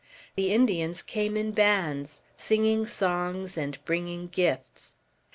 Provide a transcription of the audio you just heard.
The Indians came in bands, singing songs and bringing gifts.